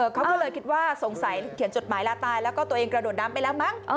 เขาก็เลยคิดว่าสงสัยเขียนจดหมายลาตายแล้วก็ตัวเองกระโดดน้ำไปแล้วมั้ง